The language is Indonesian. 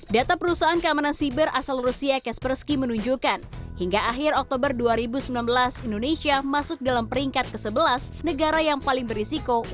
data perusahaan keamanan siber asal rusia kaspersky menunjukkan hingga akhir oktober dua ribu sembilan belas indonesia masuk dalam peringkat ke sebelas negara yang paling berisiko